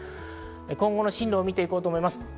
今後の進路を見て行こうと思います。